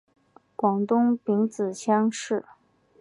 广东丙子乡试。